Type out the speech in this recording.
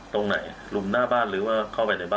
ตรงไหนลุมหน้าบ้านหรือว่าเข้าไปในบ้าน